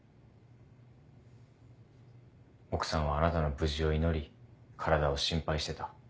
奥さんはあなたの無事を祈り体を心配してた。